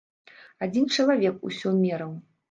Адзін чалавек усё мераў.